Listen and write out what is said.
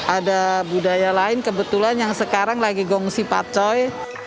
ada budaya lain kebetulan yang sekarang lagi gongsi pacoy